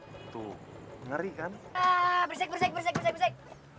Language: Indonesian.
hai tuh ngerikan bersek bersek bersek bersek bersek